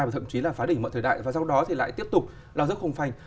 và thậm chí là phá đỉnh mọi thời đại và sau đó lại tiếp tục là rất không phanh